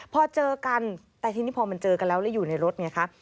พอเจอกันแต่ทีนี้พอมันเจอกันแล้วแล้วอยู่ในรถไงคะ